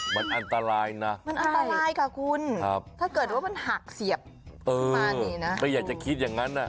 มันอันตรายนะมันอันตรายค่ะคุณถ้าเกิดว่ามันหักเสียบไม่อยากจะคิดอย่างนั้นอ่ะ